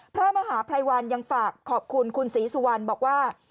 พระมหาภัยวันยังฝากขอบคุณคุณศรีสุวรรณบอกว่า